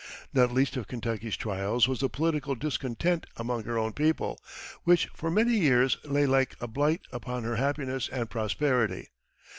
Not least of Kentucky's trials was the political discontent among her own people, which for many years lay like a blight upon her happiness and prosperity.